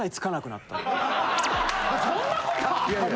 そんなことある？